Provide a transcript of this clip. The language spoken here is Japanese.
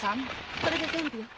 これで全部よ。